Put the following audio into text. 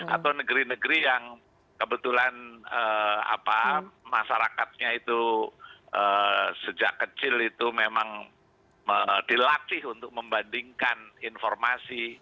atau negeri negeri yang kebetulan masyarakatnya itu sejak kecil itu memang dilatih untuk membandingkan informasi